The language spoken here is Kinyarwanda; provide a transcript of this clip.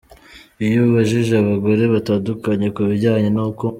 Iyo ubajije abagore batandukanye ku bijyanye n’uko.